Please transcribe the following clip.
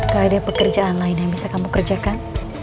gak ada pekerjaan lain yang bisa kamu kerjakan